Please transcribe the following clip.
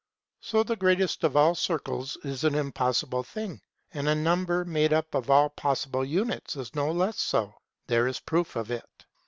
So the greatest of all circles is an impossible thing, and a number made up of all possible units is no less so : there is proof of it.